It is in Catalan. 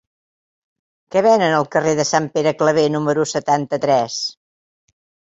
Què venen al carrer de Sant Pere Claver número setanta-tres?